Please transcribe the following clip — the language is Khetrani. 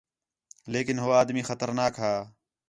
لیکن ہو آدمی خطرناک ہا